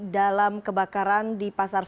dalam kebakaran di pasar